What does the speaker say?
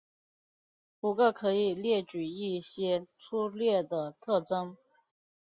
不过可以列举一些粗略的特征。